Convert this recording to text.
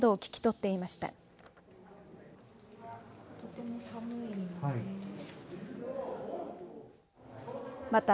とても寒いので。